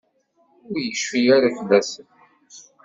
Ur yecfi ara fell-asen?